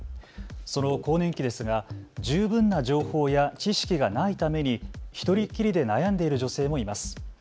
その更年期ですが十分な情報や知識がないために一人きりで悩んでいる女性もいます。